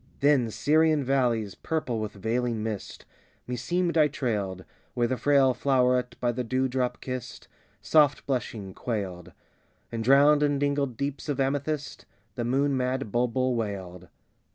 Then Syrian valleys, purple with veiling mist, Meseemed I trailed, Where the frail floweret, by the dewdrop kissed, Soft blushing, quailed; And drowned in dingled deeps of amethyst The moon mad bulbul wailed.